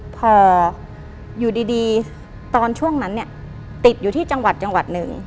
พออยู่ดีตอนช่วงนั้นเนี่ยติดอยู่ที่จังหวัดจังหวัดหนึ่ง